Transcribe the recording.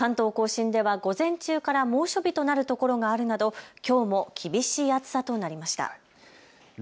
関東甲信では午前中から猛暑日となる所があるなどきょうも厳しい暑さとなりました。